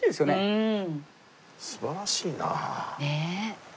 うん。